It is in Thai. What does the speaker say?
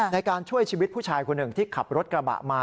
ในการช่วยชีวิตผู้ชายคนหนึ่งที่ขับรถกระบะมา